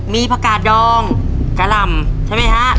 มีผักกาดดองกะลำใช่ไหมครับ